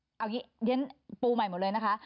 เอาอย่างนี้เพราะฉะนั้นปูใหม่หมดเลยนะคะ